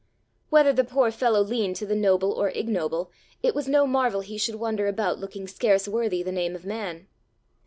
Whether the poor fellow leaned to the noble or ignoble, it was no marvel he should wander about looking scarce worthy the name of man!